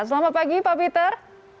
selamat pagi pak peter